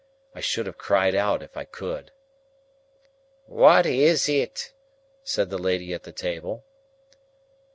I should have cried out, if I could. "Who is it?" said the lady at the table.